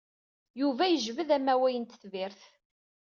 Yuba yejbed amawaɣ n tetribt.